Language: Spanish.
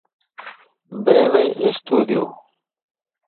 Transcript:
Breve estudio".